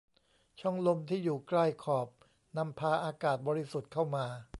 ช่องลมที่อยู่ใกล้ขอบนำพาอากาศบริสุทธิ์เข้ามา